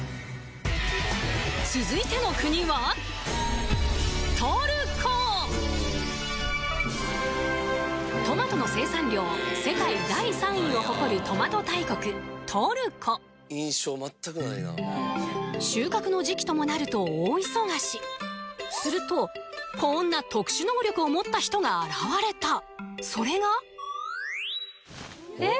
続いての国はを誇るトマト大国トルコ収穫の時期ともなると大忙しするとこんな特殊能力を持った人が現れたそれがえっ？